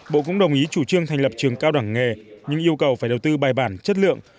bộ cũng đồng ý chủ trương thành lập trường cao đẳng nghề nhưng yêu cầu phải đầu tư bài bản chất lượng